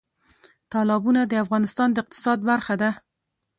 تالابونه د افغانستان د اقتصاد برخه ده.